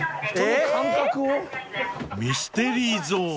［ミステリーゾーン］